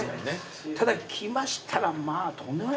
ただ来ましたらまぁとんでもないですね。